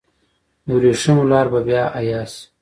د ورېښمو لار به بیا احیا شي؟